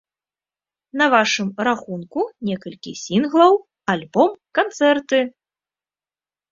На вашым рахунку некалькі сінглаў, альбом, канцэрты.